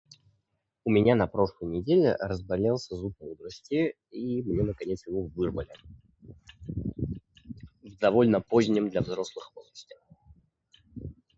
У меня на прошлой недели разболелся зуб мудрости и мне наконец его вырвали. В довольно позднем для взрослых возрасте.